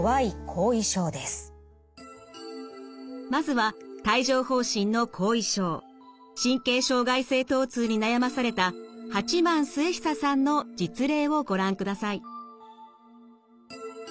まずは帯状ほう疹の後遺症神経障害性とう痛に悩まされた八幡統久さんの実例をご覧ください。